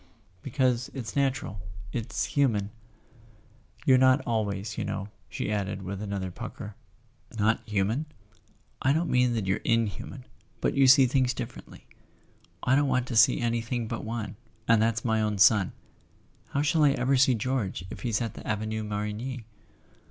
"Because it's natural—it's human. You're not al¬ ways, you know," she added with another pucker. [ 317 ] A SON AT THE FRONT " Not human ?" "I don't mean that you're inhuman. But you see things differently." "I don't want to see anything but one; and that's my own son. How shall I ever see George if he's at the Avenue Marigny